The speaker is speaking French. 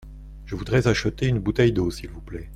Je voudrais acheter une bouteille d’eau s’il vous plait.